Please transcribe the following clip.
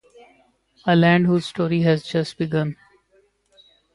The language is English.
A land whose story has just begun.